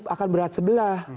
akan berat sebelah